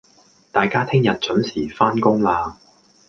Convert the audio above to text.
大家聽日準時返工喇